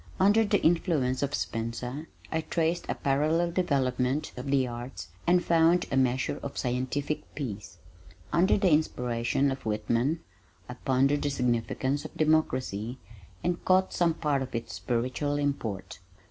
Under the influence of Spencer I traced a parallel development of the Arts and found a measure of scientific peace. Under the inspiration of Whitman I pondered the significance of democracy and caught some part of its spiritual import.